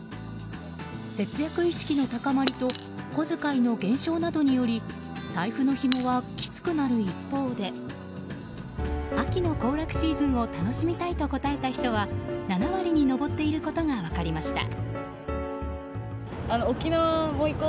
節約意識の高まりと小遣いの減少などにより財布のひもはきつくなる一方で秋の行楽シーズンを楽しみたいと答えた人は７割に上っていることが分かりました。